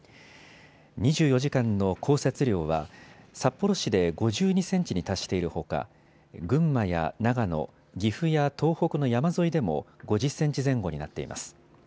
２４時間の降雪量は札幌市で５２センチに達しているほか、群馬や長野、岐阜や東北の山沿いでも５０センチ前後になっています。